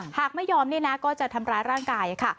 หากไม่ยอมนี่นะก็จะทำร้ายร่างกายค่ะ